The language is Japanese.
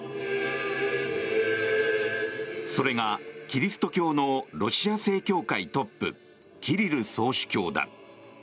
それがキリスト教のロシア正教会トップキリル総主教だ。